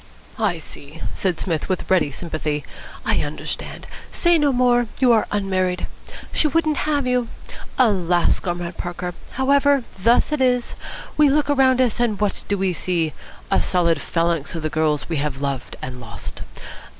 "I see," said Psmith with ready sympathy. "I understand. Say no more. You are unmarried. She wouldn't have you. Alas, Comrade Parker! However, thus it is! We look around us, and what do we see? A solid phalanx of the girls we have loved and lost.